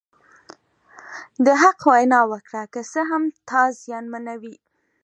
د حق وینا وکړه که څه هم تا زیانمنوي.